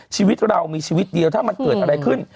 ชีวิตเรามีชีวิตเดียวถ้ามันเกิดอะไรขึ้น